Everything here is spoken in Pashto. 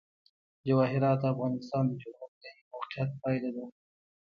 جواهرات د افغانستان د جغرافیایي موقیعت پایله ده.